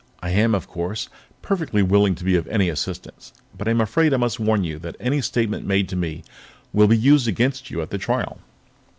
I am, of course, perfectly willing to be of any assistance, but I am afraid I must warn you that any statement made to me will be used against you at the trial."